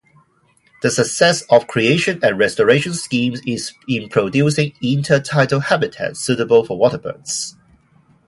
The success of creation and restoration schemes in producing intertidal habitat suitable for waterbirds.